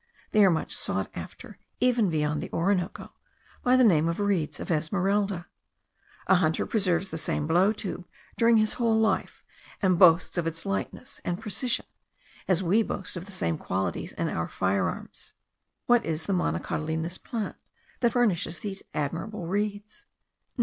They are much sought after, even beyond the Orinoco, by the name of reeds of Esmeralda. A hunter preserves the same blow tube during his whole life, and boasts of its lightness and precision, as we boast of the same qualities in our fire arms. What is the monocotyledonous plant* that furnishes these admirable reeds?